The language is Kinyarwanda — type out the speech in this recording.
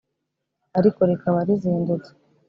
ariko rikaba rizindutse